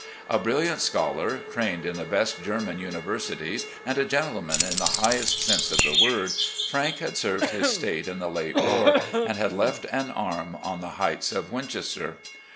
A brilliant scholar, trained in the best German univer sities, and a gentleman in the highest sense of the word, Frank had served his State in the late war, and had left an arm on the hrights of Winchester.